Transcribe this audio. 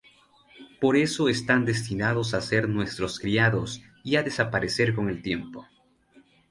Por eso están destinados a ser nuestros criados y a desaparecer con el tiempo.